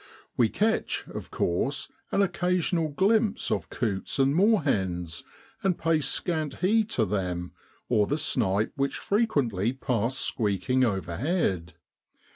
We catch, of course, an occasional glimpse of coots and moorhens, and pay scant heed to them, or the snipe which frequently pass squeaking overhead.